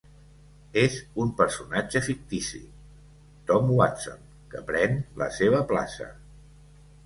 És un personatge fictici, Tom Watson, que pren la seva plaça.